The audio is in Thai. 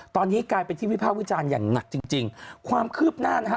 ตอนนี้กลายเป็นที่วิภาควิจารณ์อย่างหนักจริงจริงความคืบหน้านะฮะ